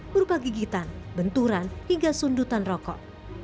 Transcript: berupa gigitan benturan hingga sundutan rokok